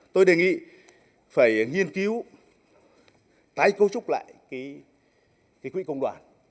tôi đề nghị phải nghiên cứu tái cấu trúc lại quỹ công đoàn